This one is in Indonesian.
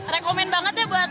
rekomen banget ya buat